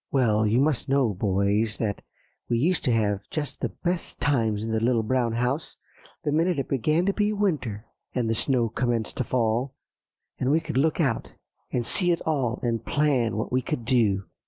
"Well, you must know, boys, that we used to have just the best times in The Little Brown House the minute it began to be winter, and the snow commenced to fall, and we could look out and see it all, and plan what we could do."